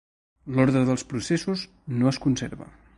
L'ordre dels processos no es conserva.